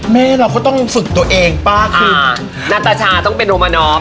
แม่เราก็ต้องฝึกตัวเองป้าคือนาตาชาต้องเป็นโรมานอม